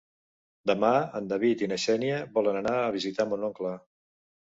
Demà en David i na Xènia volen anar a visitar mon oncle.